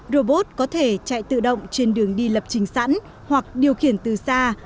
robot có thể chạy tự động trên đường đi lập trình sẵn hoặc điều khiển từ xa